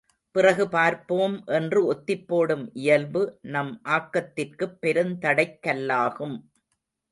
பிறகு பார்ப்போம் என்று ஒத்திப்போடும் இயல்பு நம் ஆக்கத்திற்குப் பெருந்தடைக் கல்லாகும்.